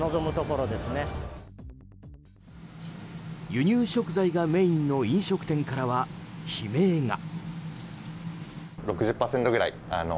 輸入食材がメインの飲食店からは、悲鳴が。